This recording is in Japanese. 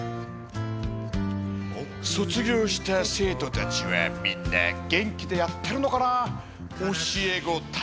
卒業した生徒たちはみんな元気でやってるのかなあ。